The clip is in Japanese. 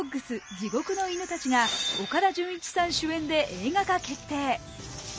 地獄の犬たち」が岡田准一さん主演で映画化決定。